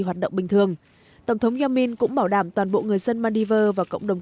hoạt động bình thường tổng thống yamin cũng bảo đảm toàn bộ người dân maldiver và cộng đồng